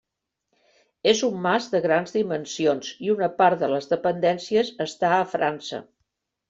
És un mas de grans dimensions i una part de les dependències està a França.